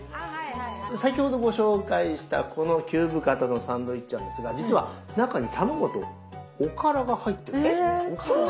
先ほどご紹介したこのキューブ型のサンドイッチなんですが実は中に卵とおからが入ってるんです。